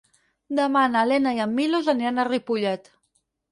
Demà na Lena i en Milos aniran a Ripollet.